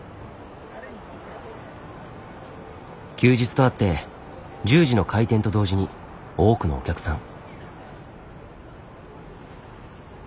休日とあって１０時の開店と同時に多くのお客さん。